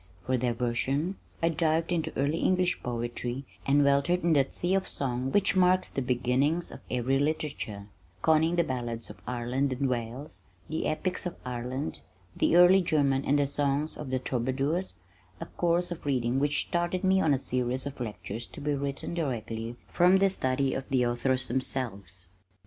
For diversion I dived into early English poetry and weltered in that sea of song which marks the beginnings of every literature, conning the ballads of Ireland and Wales, the epics of Ireland, the early German and the songs of the troubadours, a course of reading which started me on a series of lectures to be written directly from a study of the authors themselves.